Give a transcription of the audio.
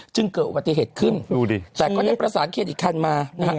เกิดอุบัติเหตุขึ้นดูดิแต่ก็ได้ประสานเครนอีกคันมานะฮะ